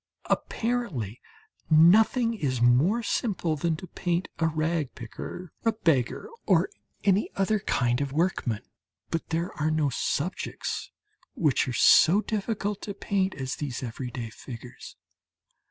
Apparently nothing is more simple than to paint a rag picker, a beggar or any other kind of workman; but there are no subjects which are so difficult to paint as these everyday figures.